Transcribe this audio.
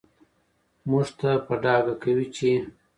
موږ ته په ډاګه کوي چې